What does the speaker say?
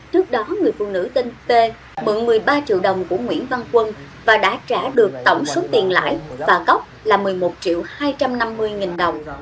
trước đó người phụ nữ tên t mượn một mươi ba triệu đồng của nguyễn văn quân và đã trả được tổng số tiền lãi và cóc là một mươi một triệu hai trăm năm mươi nghìn đồng